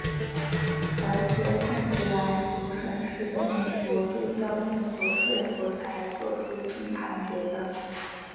而且看起来主审是被美国队教练所说服才做出新判决的。